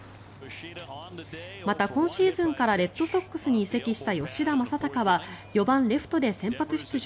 また、今シーズンからレッドソックスに移籍した吉田正尚は４番レフトで先発出場。